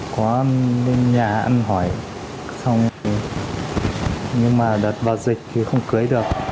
có lên nhà ăn hỏi xong nhưng mà đợt vào dịch thì không cưới được